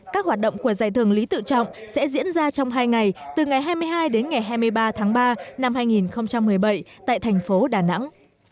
các hoạt động của giải thưởng lý tự trọng sẽ diễn ra trong hai ngày từ ngày hai mươi hai đến ngày hai mươi ba tháng ba năm hai nghìn một mươi bảy tại thành phố đà nẵng